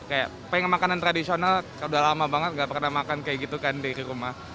kayak pengen makanan tradisional udah lama banget gak pernah makan kayak gitu kan di rumah